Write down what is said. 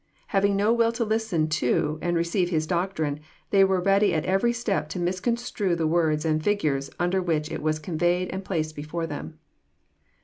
Having no will to listen to and receive His doctrine, they were ready at every step to misconstrue the words and figures under which it was conveyed and placed before them.